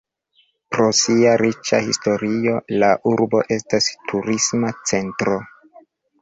Pro sia riĉa historio, la Urbo estas turisma centro.